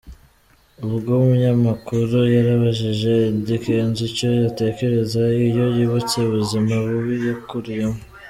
Ubwo umunyamakuru yarabajije Eddy Kenzo icyo atekereza iyo yibutse ubuzima bubi yakureyemo.